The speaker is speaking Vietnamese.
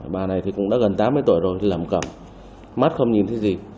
bà này cũng đã gần tám mươi tuổi rồi lầm cầm mắt không nhìn thấy gì